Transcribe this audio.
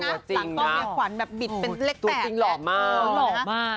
สามคนเนี้ยขวัญแบบบิดเป็นเล็กแปดตัวจริงหล่อมากหล่อมาก